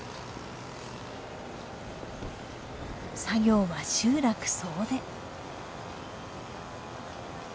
作業は集落総出。